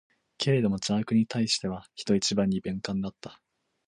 けれども邪悪に対しては、人一倍に敏感であった。